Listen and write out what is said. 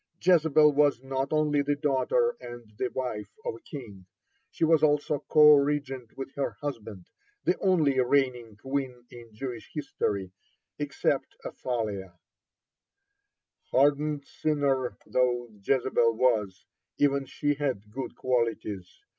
(50) Jezebel was not only the daughter and the wife of a king, she was also co regent with her husband, the only reigning queen in Jewish history except Athaliah. (51) Hardened sinner though Jezebel was, even she had good qualities.